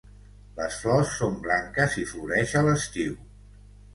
Les flors són blanques i floreix a l'estiu.